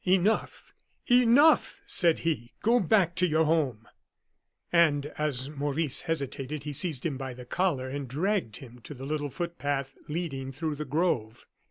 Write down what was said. "Enough! enough!" said he; "go back to your home." And as Maurice hesitated, he seized him by the collar and dragged him to the little footpath leading through the grove.